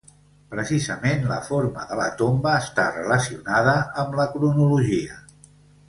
Precisament la forma de la tomba està relacionada amb la cronologia.